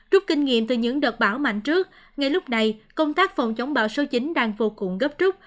rút kinh nghiệm từ những đợt bão mạnh trước ngay lúc này công tác phòng chống bão số chín đang vô cùng gấp trúc